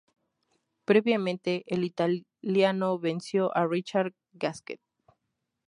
Previamente, el italiano venció a Richard Gasquet.